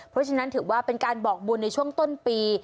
เพราะฉะนั้นถือว่าเป็นการบอกบุญในช่วงต้นปี